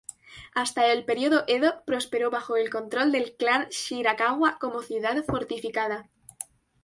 Hasta el periodo Edo prosperó bajo el control del clan Shirakawa como ciudad fortificada.